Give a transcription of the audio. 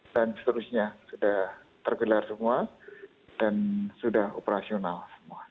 dan seterusnya sudah tergelar semua dan sudah operasional semua